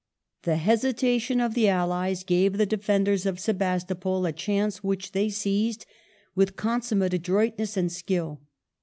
The hesitation of the allies gave the defenders of Sebastopol a chance which they seized with consummate adroitness and skill.